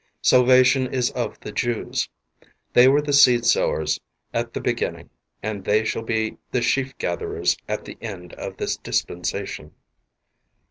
"Salvation is of the Jews." They were the seed sowers at the beginning and they shall be the sheaf gatherers at the end of this dispensation.